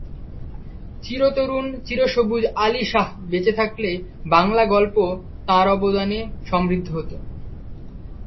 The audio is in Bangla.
চিরতরুণ, চিরসবুজ আলী শাহ্ বেঁচে থাকলে বাংলা গল্প তাঁর অবদানে সমৃদ্ধ হতো।